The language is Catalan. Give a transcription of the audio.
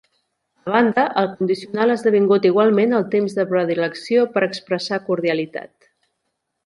A banda, el condicional ha esdevingut igualment el temps de predilecció per a expressar cordialitat.